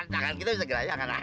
jangan kita bisa gerak gerak